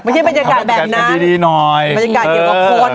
ไม่ใช่บรรยากาศแบบนั้นดีหน่อยบรรยากาศเกี่ยวกับคน